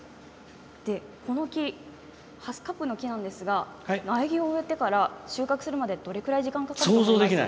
この木ハスカップの木なんですが苗木を植えてから、収穫するまでどれぐらい時間がかかると思います？